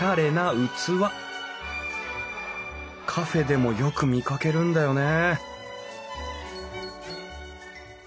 カフェでもよく見かけるんだよね